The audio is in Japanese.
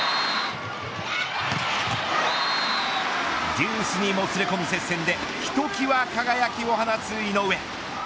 デュースにもつれ込む接戦でひときわ輝きを放つ井上。